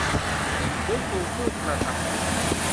ฟื้นฟูผู้กระทำผิด